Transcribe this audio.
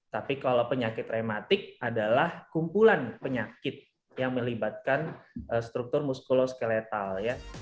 tapi kalau penyakit rematik adalah kumpulan penyakit yang melibatkan struktur muskuloskeletal